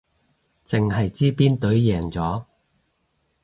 淨係知邊隊贏咗